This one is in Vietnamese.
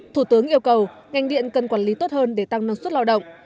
thủ tướng yêu cầu ngành điện cần quản lý tốt hơn để tăng năng suất lao động